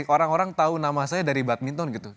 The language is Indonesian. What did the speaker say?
orang orang tahu nama saya dari badminton gitu